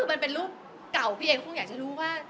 คือมันเป็นรูปเก่าพี่เองคงอยากจะรู้ว่า